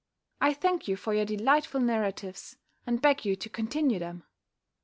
I thank you for your delightful narratives, and beg you to continue them.